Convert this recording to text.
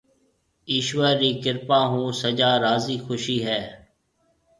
ايشوَر رِي ڪرپا هون سجا راضِي خوشِي هيَ۔